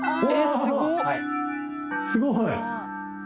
すごい。